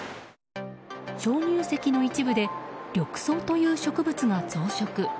鍾乳石の一部で緑藻という植物が増殖。